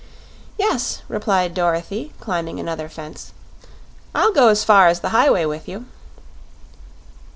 "Yes," replied Dorothy, climbing another fence; "I'll go as far as the highway with you."